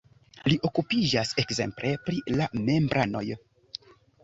Li okupiĝas ekzemple pri la membranoj.